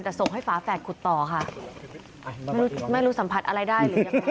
แต่ส่งให้ฝาแฝดขุดต่อค่ะไม่รู้สัมผัสอะไรได้